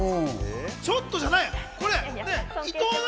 ちょっとじゃないよ！